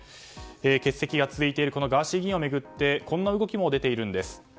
欠席が続いているガーシー議員を巡ってこんな動きも出ています。